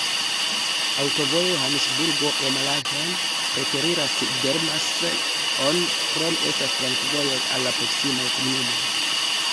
Aŭtovojo Johanesburgo-Emalahleni preteriras Delmas-on, krome estas flankovojoj al la proksimaj komunumoj.